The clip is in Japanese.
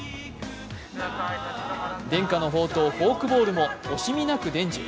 伝家の宝刀・フォークボールも惜しみなく伝授。